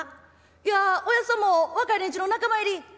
いやおやっさんも若い連中の仲間入り？」。